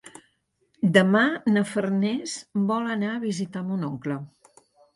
Demà na Farners vol anar a visitar mon oncle.